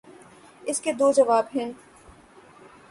اس کے دو جواب ہیں۔